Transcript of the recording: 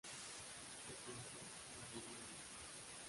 Es centro ferroviario.